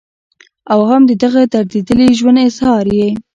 او هم د دغه درديدلي ژوند اظهار ئې